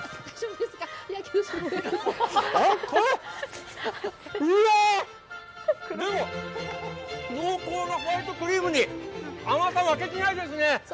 でも濃厚なホワイトクリームに甘さ、負けてないですね。